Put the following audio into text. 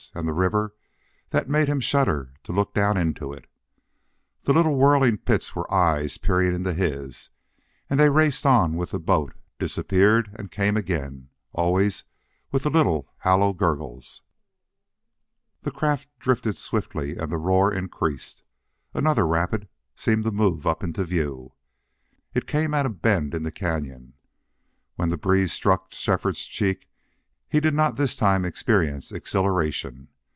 And the river that made him shudder to look down into it. The little whirling pits were eyes peering into his, and they raced on with the boat, disappeared, and came again, always with the little, hollow gurgles. The craft drifted swiftly and the roar increased. Another rapid seemed to move up into view. It came at a bend in the cañon. When the breeze struck Shefford's cheeks he did not this time experience exhilaration.